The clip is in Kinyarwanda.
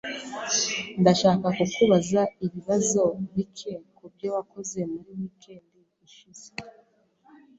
Ndashaka kukubaza ibibazo bike kubyo wakoze muri weekend ishize.